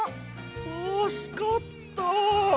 たすかった！